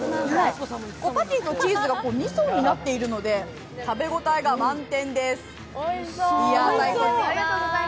パティーとチーズが２層になっているので、食べ応え満点です。